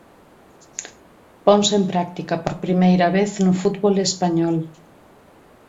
Ponse en practica por primeira vez no fútbol español.